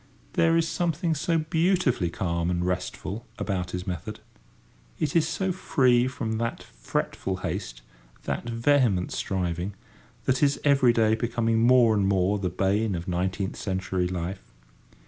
There is something so beautifully calm and restful about his method. It is so free from that fretful haste, that vehement striving, that is every day becoming more and more the bane of nineteenth century life.